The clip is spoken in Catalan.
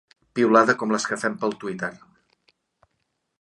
Piulada com les que fem pel Twitter.